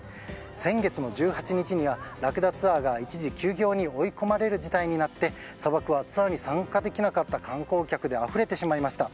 先月の１８日にはラクダツアーが一時休業に追い込まれる事態になって砂漠はツアーに参加できなかった観光客であふれてしまいました。